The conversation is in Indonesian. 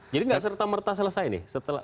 jadi nggak serta merta selesai nih